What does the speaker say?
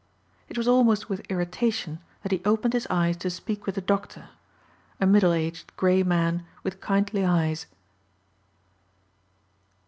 It was almost with irritation that he opened his eyes to speak with the doctor, a middle aged, gray man with kindly eyes.